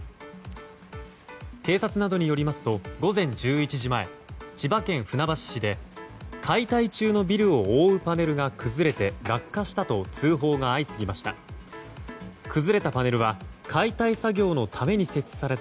警察などによりますと午前１１時前千葉県船橋市で解体中のビルを覆うパネルが崩れて落下したと通報が相次ぎました。